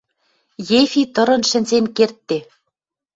Ефи тырын шӹнзен кердде